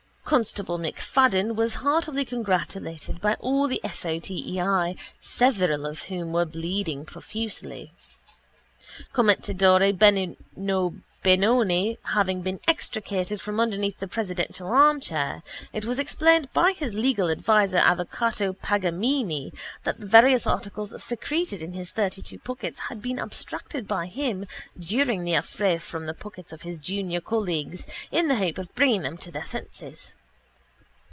Constable MacFadden was heartily congratulated by all the F. O. T. E. I., several of whom were bleeding profusely. Commendatore Beninobenone having been extricated from underneath the presidential armchair, it was explained by his legal adviser Avvocato Pagamimi that the various articles secreted in his thirtytwo pockets had been abstracted by him during the affray from the pockets of his junior colleagues in the hope of bringing them to their senses.